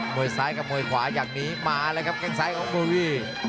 วยซ้ายกับมวยขวาอย่างนี้มาแล้วครับแค่งซ้ายของโบวี่